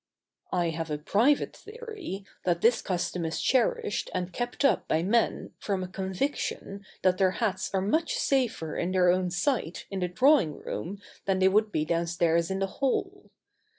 I have a private theory that this custom is cherished and kept up by men from a conviction that their hats are much safer in their own sight in the drawing room than they would be downstairs in the hall.